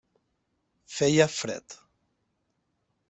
Feia fred.